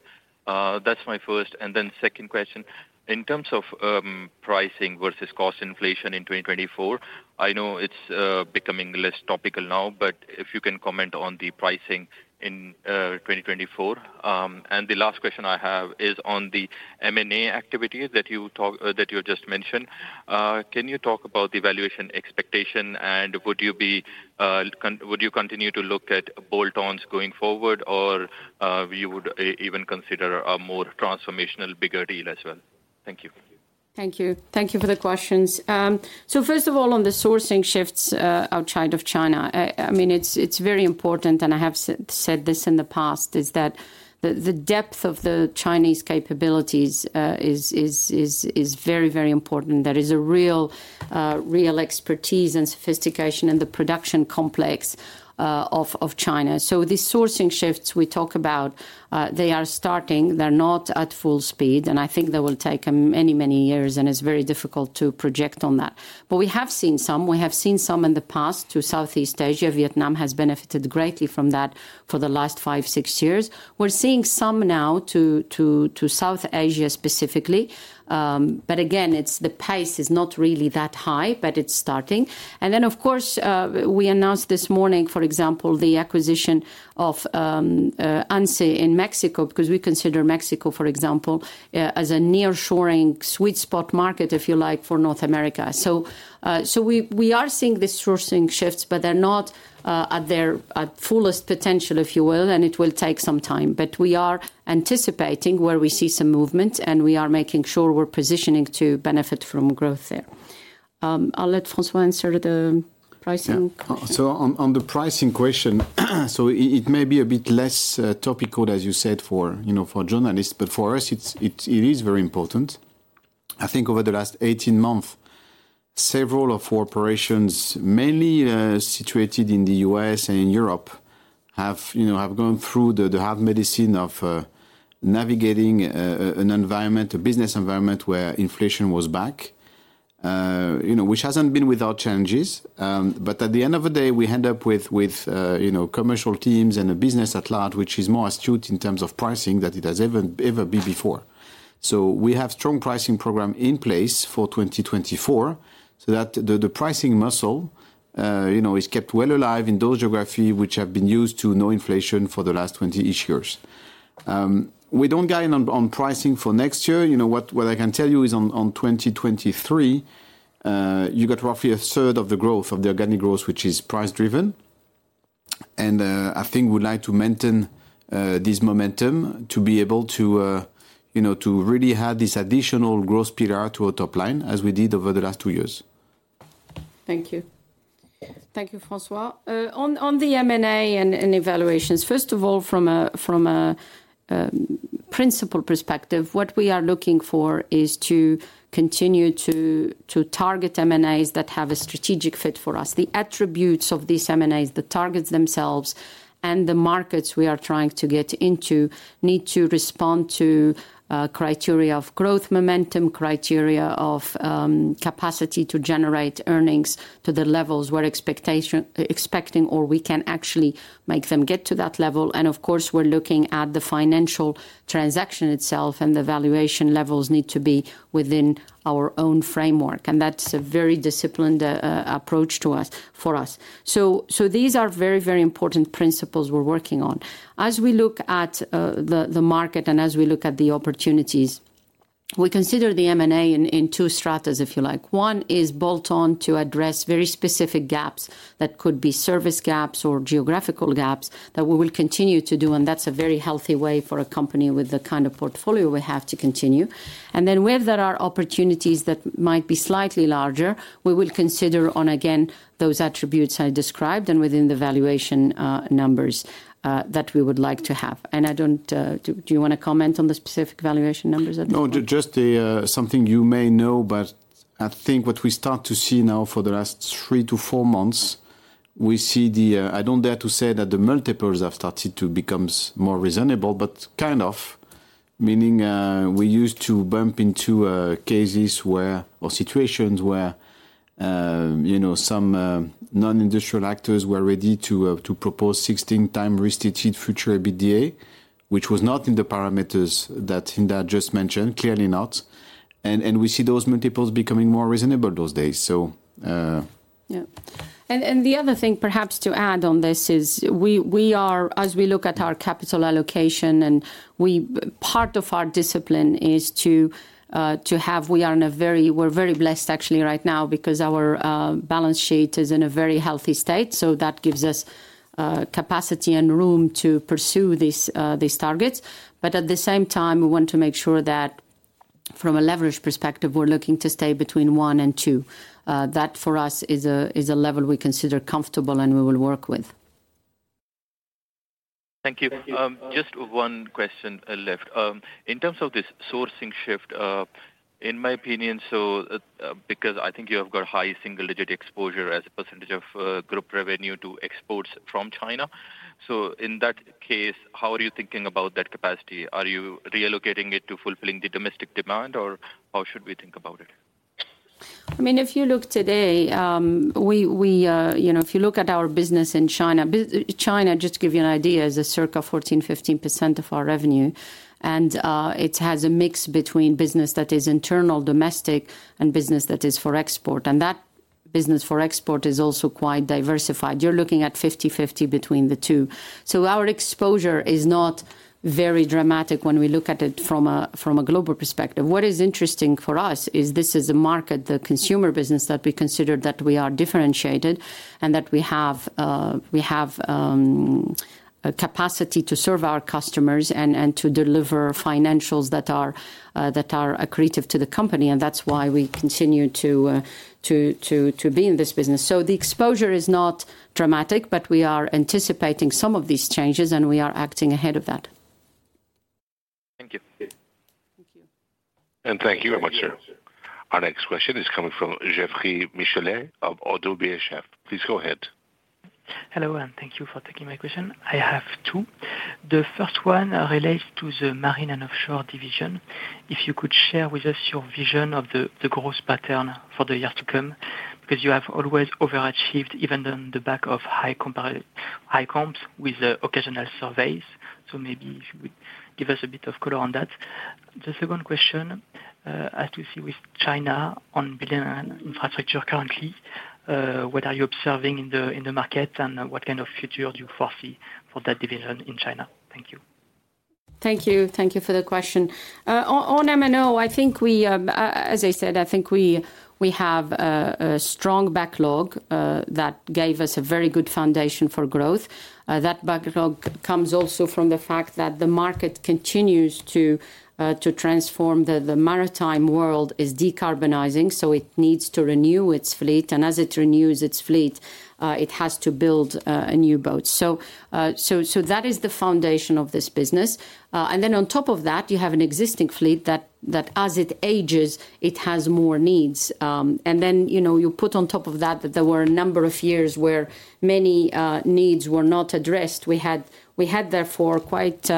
That's my first. And then second question, in terms of pricing versus cost inflation in 2024, I know it's becoming less topical now, but if you can comment on the pricing in 2024. The last question I have is on the M&A activity that you talk that you just mentioned. Can you talk about the valuation expectation, and would you be, would you continue to look at bolt-ons going forward, or, you would even consider a more transformational, bigger deal as well? Thank you. Thank you. Thank you for the questions. So first of all, on the sourcing shifts, outside of China, I mean, it's, it's very important, and I have said this in the past, is that the, the depth of the Chinese capabilities, is, is, is, is very, very important. There is a real, real expertise and sophistication in the production complex, of, of China. So these sourcing shifts we talk about, they are starting. They're not at full speed, and I think they will take many, many years, and it's very difficult to project on that. But we have seen some. We have seen some in the past to Southeast Asia. Vietnam has benefited greatly from that for the last five, six years. We're seeing some now to, to, to South Asia specifically. But again, it's the pace is not really that high, but it's starting. And then, of course, we announced this morning, for example, the acquisition of ANCE in Mexico because we consider Mexico, for example, as a nearshoring sweet spot market, if you like, for North America. So, so we, we are seeing these sourcing shifts, but they're not, at their at fullest potential, if you will, and it will take some time. But we are anticipating where we see some movement, and we are making sure we're positioning to benefit from growth there. I'll let François answer the pricing. Yeah. So on the pricing question, so it may be a bit less topical, as you said, for you know for journalists, but for us, it's it is very important. I think over the last 18 months, several of our operations, mainly situated in the U.S. and in Europe, have you know have gone through the the hard medicine of navigating an environment, a business environment where inflation was back, you know, which hasn't been without changes. But at the end of the day, we end up with you know commercial teams and a business at large, which is more astute in terms of pricing than it has ever been before. So we have strong pricing programs in place for 2024 so that the, the pricing muscle, you know, is kept well alive in those geographies which have been used to no inflation for the last 20-ish years. We don't guide on, on pricing for next year. You know, what, what I can tell you is on, on 2023, you got roughly a third of the growth of the organic growth, which is price-driven. And, I think we'd like to maintain, this momentum to be able to, you know, to really have this additional growth pillar to our top line as we did over the last two years. Thank you. Thank you, François. On, on the M&A and, and valuations, first of all, from a principal perspective, what we are looking for is to continue to target M&As that have a strategic fit for us. The attributes of these M&As, the targets themselves, and the markets we are trying to get into need to respond to criteria of growth momentum, criteria of capacity to generate earnings to the levels we're expecting, or we can actually make them get to that level. And of course, we're looking at the financial transaction itself, and the valuation levels need to be within our own framework. And that's a very disciplined approach for us. So these are very, very important principles we're working on. As we look at the market and as we look at the opportunities, we consider the M&A in two strata, if you like. One is bolt-on to address very specific gaps that could be service gaps or geographical gaps that we will continue to do, and that's a very healthy way for a company with the kind of portfolio we have to continue. And then where there are opportunities that might be slightly larger, we will consider on, again, those attributes I described and within the valuation, numbers, that we would like to have. And I don't. Do you want to comment on the specific valuation numbers at this point? No, just something you may know, but I think what we start to see now for the last three to four months, we see the. I don't dare to say that the multiples have started to become more reasonable, but kind of, meaning, we used to bump into cases where or situations where, you know, some non-industrial actors were ready to propose 16x restated future EBITDA, which was not in the parameters that Hinda just mentioned, clearly not. And we see those multiples becoming more reasonable those days, so, yeah. And the other thing perhaps to add on this is we are, as we look at our capital allocation and part of our discipline is to have, we are in a very, we're very blessed, actually, right now because our balance sheet is in a very healthy state. So that gives us capacity and room to pursue these targets. But at the same time, we want to make sure that from a leverage perspective, we're looking to stay between one and two. That for us is a level we consider comfortable and we will work with. Thank you. Just one question left. In terms of this sourcing shift, in my opinion, so because I think you have got high single-digit exposure as a percentage of group revenue to exports from China. So in that case, how are you thinking about that capacity? Are you reallocating it to fulfilling the domestic demand, or how should we think about it? I mean, if you look today, we you know, if you look at our business in China, China just to give you an idea, is circa 14%-15% of our revenue. It has a mix between business that is internal, domestic, and business that is for export. That business for export is also quite diversified. You're looking at 50/50 between the two. So our exposure is not very dramatic when we look at it from a global perspective. What is interesting for us is this is a market, the consumer business, that we consider that we are differentiated and that we have a capacity to serve our customers and to deliver financials that are accretive to the company. That's why we continue to be in this business. So the exposure is not dramatic, but we are anticipating some of these changes, and we are acting ahead of that. Thank you. Thank you. Thank you very much, sir. Our next question is coming from Geoffroy Michalet of Oddo BHF. Please go ahead. Hello, and thank you for taking my question. I have two. The first one relates Marine and Offshore division. if you could share with us your vision of the growth pattern for the years to come because you have always overachieved even on the back of high comparative high comps with occasional surveys. So maybe if you would give us a bit of color on that. The second question, as we see with China on B&I infrastructure currently, what are you observing in the market, and what kind of future do you foresee for that division in China? Thank you. Thank you. Thank you for the question. On M&O, I think we, as I said, have a strong backlog that gave us a very good foundation for growth. That backlog comes also from the fact that the market continues to transform. The maritime world is decarbonizing, so it needs to renew its fleet. And as it renews its fleet, it has to build a new boat. So that is the foundation of this business. And then on top of that, you have an existing fleet that as it ages, it has more needs. And then, you know, you put on top of that that there were a number of years where many needs were not addressed. We had, therefore, quite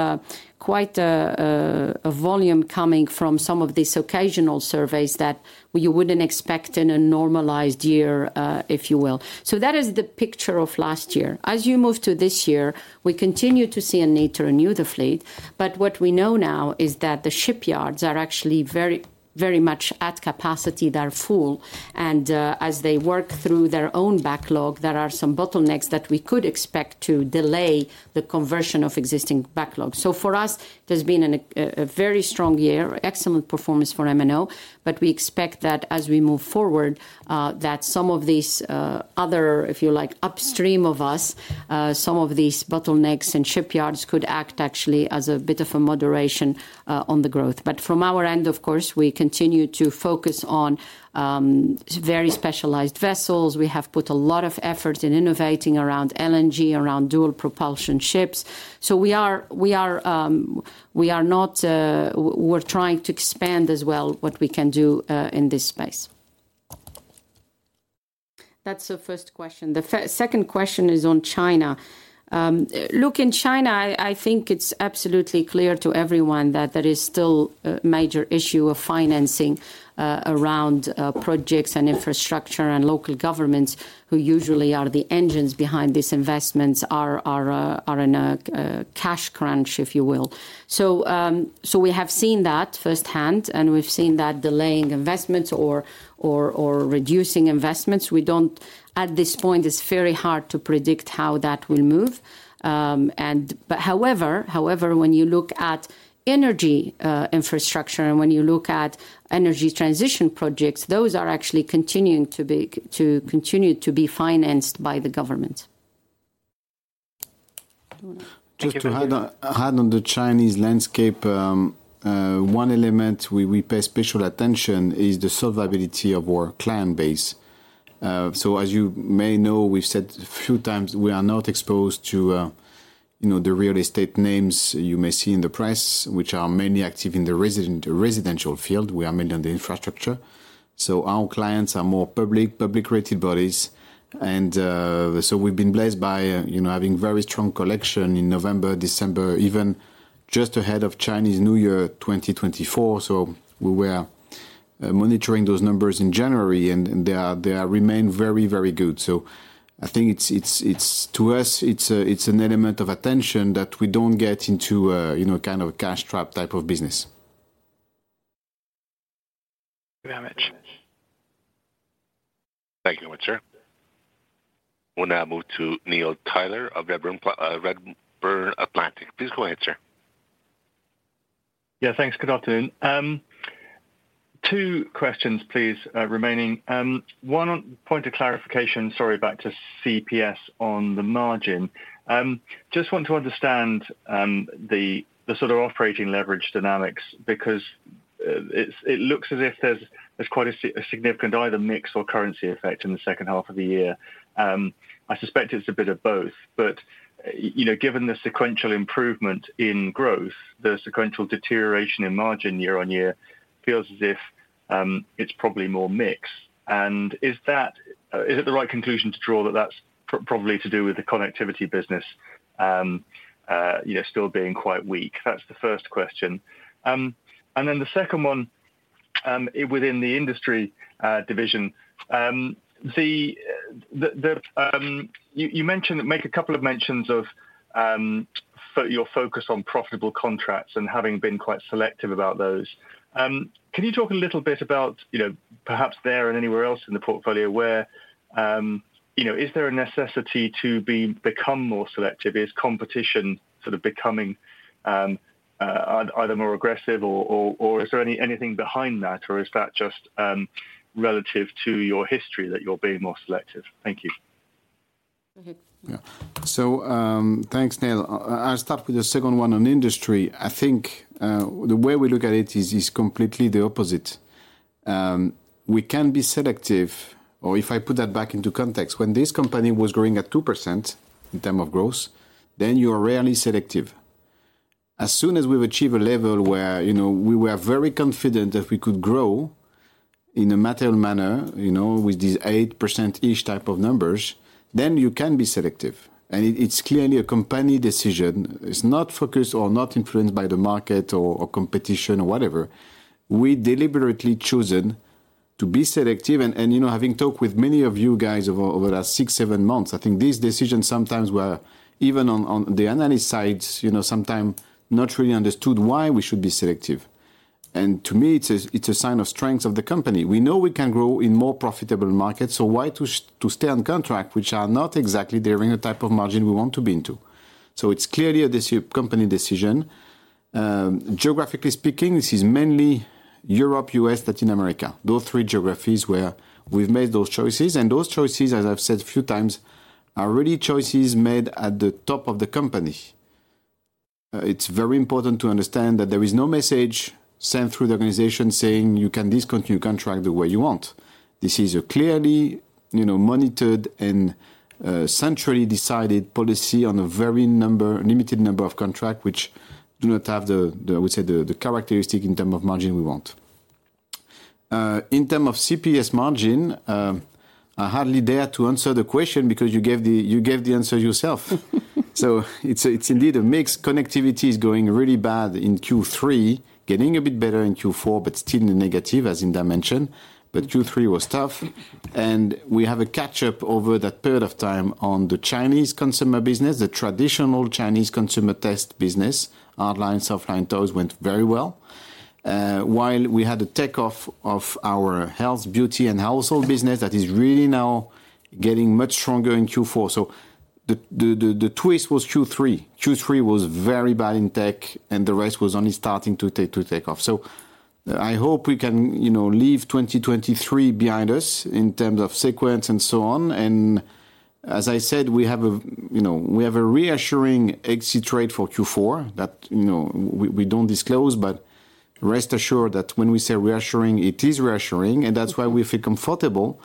a volume coming from some of these occasional surveys that you wouldn't expect in a normalized year, if you will. So that is the picture of last year. As you move to this year, we continue to see a need to renew the fleet. But what we know now is that the shipyards are actually very, very much at capacity. They're full. And, as they work through their own backlog, there are some bottlenecks that we could expect to delay the conversion of existing backlog. So for us, there's been a very strong year, excellent performance for M&O. But we expect that as we move forward, that some of these, other, if you like, upstream of us, some of these bottlenecks and shipyards could act actually as a bit of a moderation on the growth. But from our end, of course, we continue to focus on very specialized vessels. We have put a lot of efforts in innovating around LNG, around dual propulsion ships. So we are not. We're trying to expand as well what we can do in this space. That's the first question. The second question is on China. Look, in China, I think it's absolutely clear to everyone that there is still a major issue of financing around projects and infrastructure. And local governments, who usually are the engines behind these investments, are in a cash crunch, if you will. So we have seen that firsthand, and we've seen that delaying investments or reducing investments. We don't at this point. It's very hard to predict how that will move. But however, when you look at energy infrastructure, and when you look at energy transition projects, those are actually continuing to be financed by the government. Just to add on to the Chinese landscape, one element we pay special attention to is the solvency of our client base. So as you may know, we've said a few times we are not exposed to, you know, the real estate names you may see in the press, which are mainly active in the residential field. We are mainly on the infrastructure. So our clients are more publicly rated bodies. So we've been blessed by, you know, having very strong collection in November, December, even just ahead of Chinese New Year 2024. So we were monitoring those numbers in January, and they remain very, very good. So I think it's to us, it's an element of attention that we don't get into, you know, kind of a cash trap type of business. Thank you very much, sir. We'll now move to Neil Tyler of Redburn Atlantic. Please go ahead, sir. Yeah, thanks. Good afternoon. Two questions, please, remaining. One point of clarification, sorry, back to CPS on the margin. Just want to understand the sort of operating leverage dynamics because it looks as if there's quite a significant either mix or currency effect in the second half of the year. I suspect it's a bit of both. But you know, given the sequential improvement in growth, the sequential deterioration in margin year on year feels as if it's probably more mix. And is that the right conclusion to draw that that's probably to do with the connectivity business, you know, still being quite weak? That's the first question. And then the second one, within the Industry division, the, the, the. You mentioned making a couple of mentions of your focus on profitable contracts and having been quite selective about those. Can you talk a little bit about, you know, perhaps there and anywhere else in the portfolio where, you know, is there a necessity to become more selective? Is competition sort of becoming either more aggressive or is there anything behind that, or is that just relative to your history that you're being more selective? Thank you. Go ahead. Yeah. So, thanks, Neil. I'll start with the second one on Industry. I think the way we look at it is completely the opposite. We can be selective, or if I put that back into context, when this company was growing at 2% in terms of growth, then you are rarely selective. As soon as we've achieved a level where, you know, we were very confident that we could grow in a matter of manner, you know, with these 8%-ish type of numbers, then you can be selective. It's clearly a company decision. It's not focused or not influenced by the market or competition or whatever. We deliberately chosen to be selective. And, you know, having talked with many of you guys over the last six, seven months, I think these decisions sometimes were even on, on the analyst sides, you know, sometimes not really understood why we should be selective. To me, it's a sign of strength of the company. We know we can grow in more profitable markets, so why to stay on contract, which are not exactly the range of type of margin we want to be into? It's clearly a company decision. Geographically speaking, this is mainly Europe, U.S., Latin America, those three geographies where we've made those choices. And those choices, as I've said a few times, are really choices made at the top of the company. It's very important to understand that there is no message sent through the organization saying, "You can discontinue contract the way you want." This is a clearly, you know, monitored and, centrally decided policy on a very number limited number of contract, which do not have the, the I would say the, the characteristic in terms of margin we want. In terms of CPS margin, I'm hardly there to answer the question because you gave the you gave the answer yourself. So it's a it's indeed a mix. Connectivity is going really bad in Q3, getting a bit better in Q4, but still in the negative as Hinda mentioned. But Q3 was tough. We have a catch-up over that period of time on the Chinese consumer business, the traditional Chinese consumer test business, Hardlines, Softlines, Toys went very well, while we had a takeoff of our Health, Beauty, and Household business that is really now getting much stronger in Q4. So the twist was Q3. Q3 was very bad in tech, and the rest was only starting to take off. So I hope we can, you know, leave 2023 behind us in terms of sequence and so on. And as I said, we have a, you know, we have a reassuring exit rate for Q4 that, you know, we, we don't disclose. But rest assured that when we say reassuring, it is reassuring. And that's why we feel comfortable.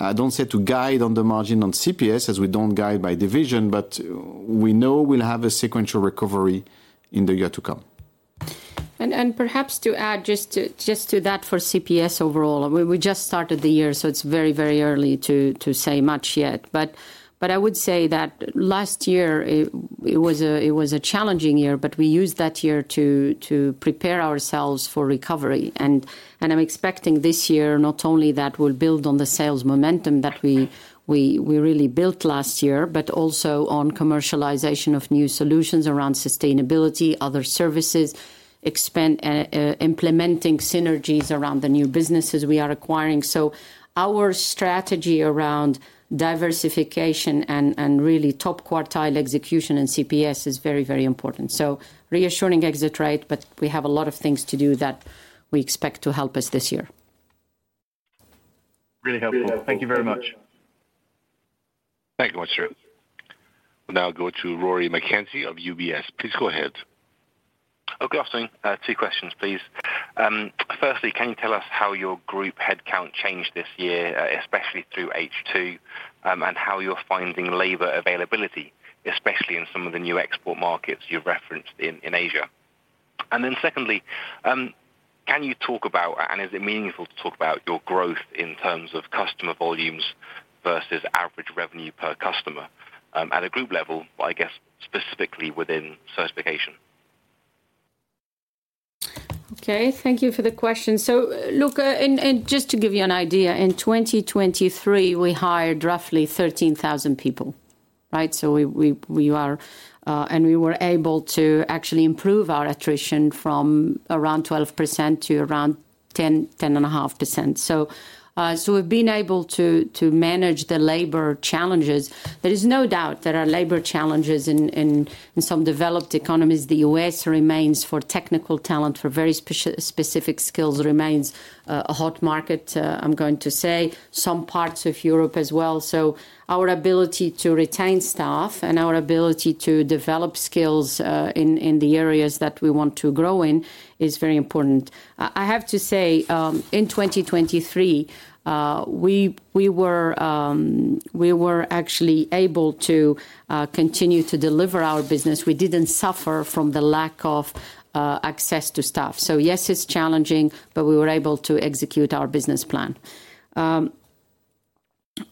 I don't say to guide on the margin on CPS as we don't guide by division, but we know we'll have a sequential recovery in the year to come. And perhaps to add just to that for CPS overall, we just started the year, so it's very early to say much yet. But I would say that last year, it was a challenging year, but we used that year to prepare ourselves for recovery. And I'm expecting this year not only that we'll build on the sales momentum that we really built last year, but also on commercialization of new solutions around sustainability, other services, expand implementing synergies around the new businesses we are acquiring. So our strategy around diversification and really top quartile execution in CPS is very important. So reassuring exit rate, but we have a lot of things to do that we expect to help us this year. Really helpful. Thank you very much. Thank you very much, sir. We'll now go to Rory McKenzie of UBS. Please go ahead. Oh, good afternoon. Two questions, please. Firstly, can you tell us how your group headcount changed this year, especially through H2, and how you're finding labor availability, especially in some of the new export markets you've referenced in, in Asia? And then secondly, can you talk about and is it meaningful to talk about your growth in terms of customer volumes versus average revenue per customer, at a group level, but I guess specifically within Certification? Okay. Thank you for the question. So look, and, and just to give you an idea, in 2023, we hired roughly 13,000 people, right? So we are and we were able to actually improve our attrition from around 12% to around 10-10.5%. So we've been able to manage the labor challenges. There is no doubt there are labor challenges in some developed economies. The U.S. remains for technical talent, for very specific skills remains a hot market, I'm going to say, some parts of Europe as well. So our ability to retain staff and our ability to develop skills in the areas that we want to grow in is very important. I have to say, in 2023, we were actually able to continue to deliver our business. We didn't suffer from the lack of access to staff. So yes, it's challenging, but we were able to execute our business plan.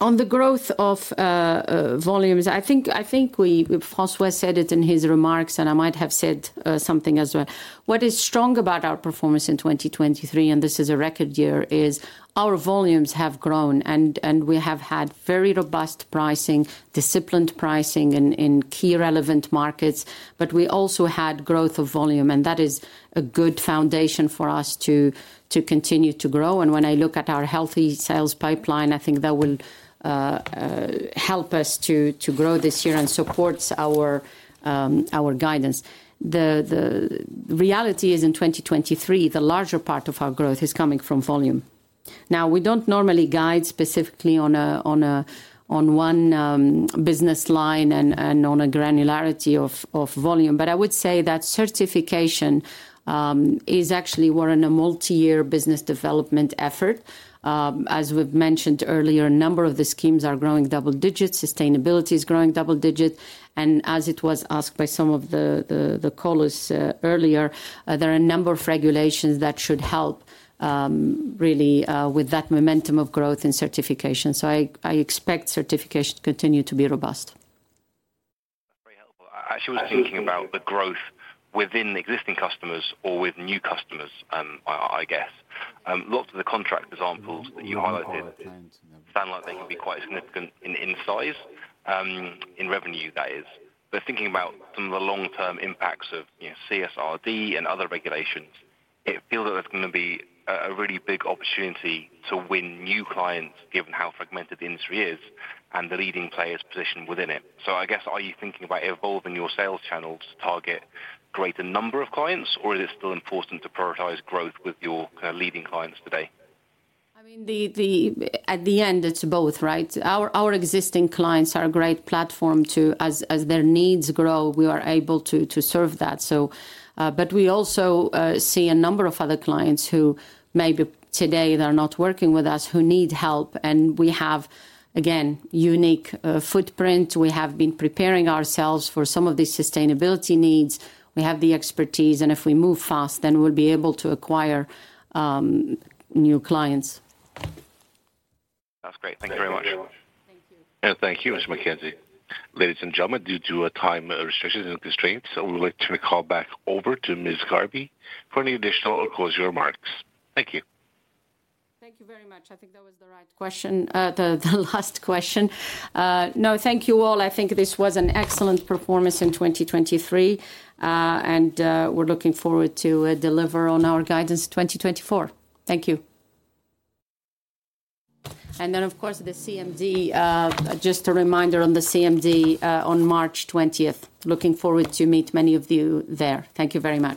On the growth of volumes, I think we—François said it in his remarks, and I might have said something as well. What is strong about our performance in 2023, and this is a record year, is our volumes have grown, and we have had very robust pricing, disciplined pricing in key relevant markets. But we also had growth of volume, and that is a good foundation for us to continue to grow. And when I look at our healthy sales pipeline, I think that will help us to grow this year and supports our guidance. The reality is in 2023, the larger part of our growth is coming from volume. Now, we don't normally guide specifically on one business line and on a granularity of volume. But I would say that Certification is actually we're in a multi-year business development effort. As we've mentioned earlier, a number of the schemes are growing double-digit. Sustainability is growing double-digit. And as it was asked by some of the callers earlier, there are a number of regulations that should help, really, with that momentum of growth in Certification. So I expect Certification to continue to be robust. That's very helpful. I actually was thinking about the growth within existing customers or with new customers, I guess. Lots of the contract examples that you highlighted sound like they can be quite significant in size, in revenue, that is. But thinking about some of the long-term impacts of, you know, CSRD and other regulations, it feels that there's going to be a really big opportunity to win new clients given how fragmented the Industry is and the leading players' position within it. So I guess, are you thinking about evolving your sales channels to target a greater number of clients, or is it still important to prioritize growth with your kind of leading clients today? I mean, at the end, it's both, right? Our existing clients are a great platform to as their needs grow, we are able to serve that. So, but we also see a number of other clients who maybe today they're not working with us who need help. And we have, again, unique footprint. We have been preparing ourselves for some of these sustainability needs. We have the expertise. If we move fast, then we'll be able to acquire new clients. That's great. Thank you very much. Thank you. Yeah, thank you, Mr. McKenzie. Ladies and gentlemen, due to time restrictions and constraints, we would like to call back over to Ms. Gharbi for any additional or closing remarks. Thank you. Thank you very much. I think that was the right question, the last question. No, thank you all. I think this was an excellent performance in 2023, and we're looking forward to deliver on our guidance 2024. Thank you. And then, of course, the CMD—just a reminder on the CMD on March 20th. Looking forward to meet many of you there. Thank you very much.